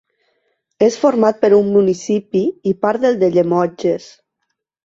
És format per un municipi i part del de Llemotges.